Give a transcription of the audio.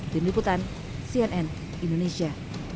dini putan cnn indonesia